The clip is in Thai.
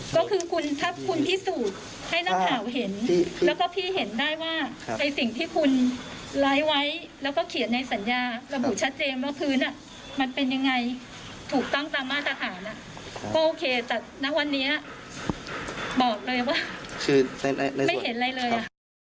ก็โอเคแต่ในวันนี้บอกเลยว่าไม่เห็นอะไรเลย